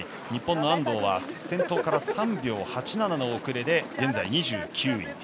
日本の安藤は先頭から３秒８７の遅れで現在、２９位。